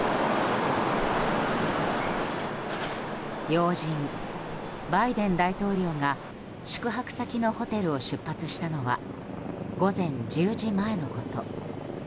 要人、バイデン大統領が宿泊先のホテルを出発したのは午前１０時前のこと。